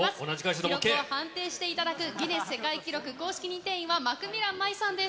記録を判定していただくギネス世界記録公式認定員は、マクミラン舞さんです。